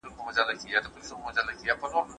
څوک د میندو پر سینو باندي ساه ورکړي